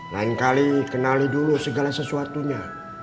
lain kali kenali dulu segala sesuatunya